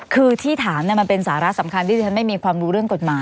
คือที่ถามมันเป็นสาระสำคัญที่ที่ฉันไม่มีความรู้เรื่องกฎหมาย